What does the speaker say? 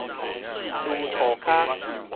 攄塗跤